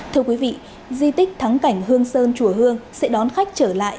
thưa quý vị di tích thắng cảnh hương sơn chùa hương sẽ đón khách trở lại